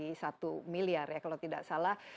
yang penduduknya itu lebih dari satu miliar ya kalau tidak salah